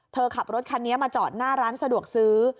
ขับรถคันนี้มาจอดหน้าร้านสะดวกซื้อ